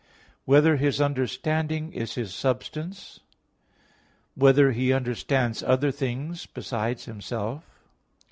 (4) Whether His understanding is His substance? (5) Whether He understands other things besides Himself?